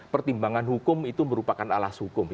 pertimbangan hukum itu merupakan alas hukum